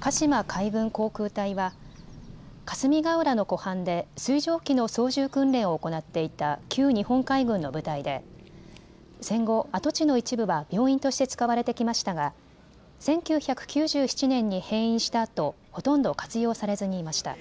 鹿島海軍航空隊は霞ヶ浦の湖畔で水上機の操縦訓練を行っていた旧日本海軍の部隊で戦後、跡地の一部は病院として使われてきましたが１９９７年に閉院したあとほとんど活用されずにいました。